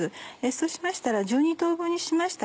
そうしましたら１２等分にしました。